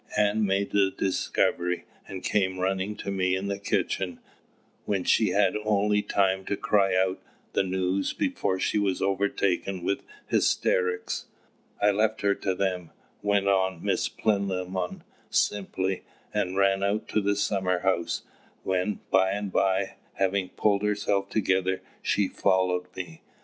Ann made the discovery, and came running to me in the kitchen, when she had only time to cry out the news before she was overtaken with hysterics. I left her to them," went on Miss Plinlimmon, simply, "and ran out to the summer house, when by and by, having pulled herself together, she followed me.